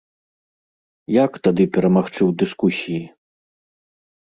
Як тады перамагчы ў дыскусіі?